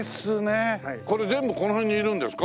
これ全部この辺にいるんですか？